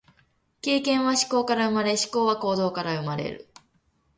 経験は思考から生まれ、思考は行動から生まれる。